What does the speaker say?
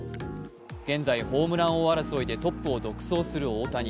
現在、ホームラン王争いでトップを独走する大谷。